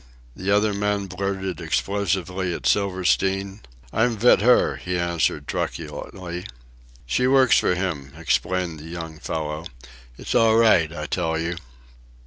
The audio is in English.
the other man blurted explosively at Silverstein. "I'm vit her," he answered truculently. "She works for him," explained the young fellow. "It's all right, I tell you."